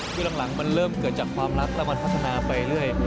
คือหลังมันเริ่มเกิดจากความรักแล้วมันพัฒนาไปเรื่อย